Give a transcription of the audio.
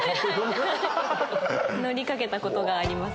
はい乗りかけたことがあります。